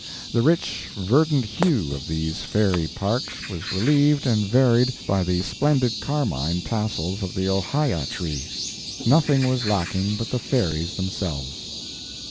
The rich verdant hue of these fairy parks was relieved and varied by the splendid carmine tassels of the ohia tree. Nothing was lacking but the fairies themselves.